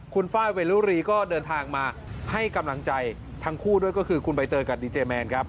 คุณไฟล์เวรุรีก็เดินทางมาให้กำลังใจทั้งคู่ด้วยก็คือคุณใบเตยกับดีเจแมนครับ